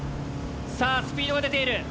さあスピードが出ている。